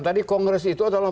tadi kongres itu adalah